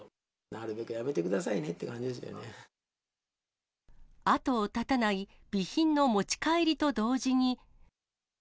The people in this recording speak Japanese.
なるべくやめてくださいねという後を絶たない備品の持ち帰りと同時に。